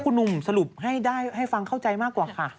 คุณหนุ่มสรุปให้ได้ให้ฟังเข้าใจมากกว่าค่ะ